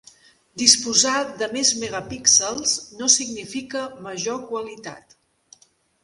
Disposar de més megapíxels no significa major qualitat.